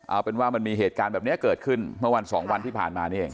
เอาเป็นว่ามันมีเหตุการณ์แบบนี้เกิดขึ้นเมื่อวันสองวันที่ผ่านมานี่เอง